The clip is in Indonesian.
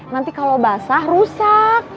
nanti kalau basah rusak